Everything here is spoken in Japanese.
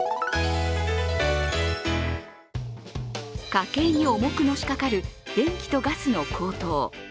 家計に重くのしかかる電気とガスの高騰。